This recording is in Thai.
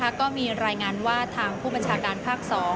ล่าสุดก็มีรายงานว่าทำผู้ประชาการภาค๒